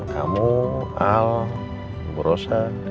kamu om bu rosa